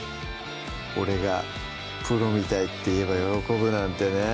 俺が「プロみたいって言えば喜ぶ」